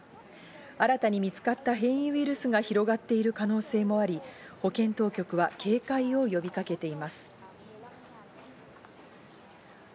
新たに見つかった変異ウイルスが広がっている可能性もあり、保健当局は警戒を呼びかけています。